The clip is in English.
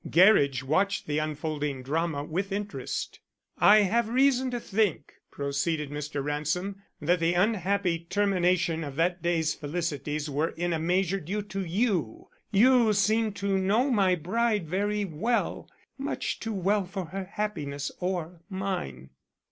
Gerridge watched the unfolding drama with interest. "I have reason to think," proceeded Mr. Ransom, "that the unhappy termination of that day's felicities were in a measure due to you. You seem to know my bride very well; much too well for her happiness or mine."